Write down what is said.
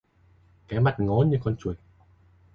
Cái mặt ngó như con chuột